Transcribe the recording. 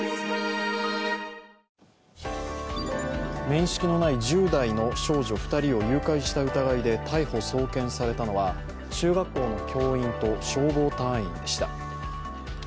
面識のない１０代の少女２人を誘拐した疑いで逮捕・送検されたのは中学校の教員と消防隊員でした。